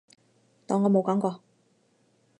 當我冇講過